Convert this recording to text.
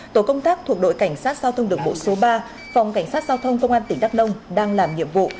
tổ công tác thuộc đội cảnh sát giao thông đường bộ số ba phòng cảnh sát giao thông công an tỉnh đắk nông đang làm nhiệm vụ